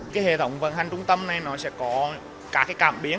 cái hệ thống vận hành trung tâm này nó sẽ có cả cái cảm biến